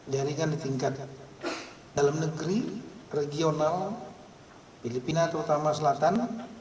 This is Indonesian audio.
jaringan di tingkat dalam negeri regional filipina terutama selatan